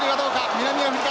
南アフリカだ。